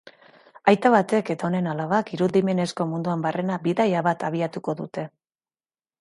Aita batek eta honen alabak irudimenezko munduan barrena bidaia bat abiatuko dute.